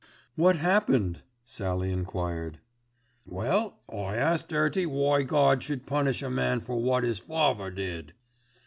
"What happened?" Sallie enquired. "Well, I asked 'Earty why Gawd should punish a man for wot 'is father did."